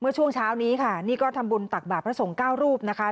เมื่อช่วงเช้านี้ค่ะนี่ก็ทำบุญตักบาดพระสงค์๙รูปนะคะ